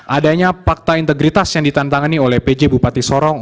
adanya fakta integritas yang ditantangani oleh pj bupati sorong